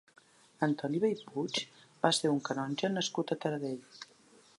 Antoni Bellpuig va ser un canonge nascut a Taradell.